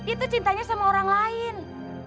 itu cintanya sama orang lain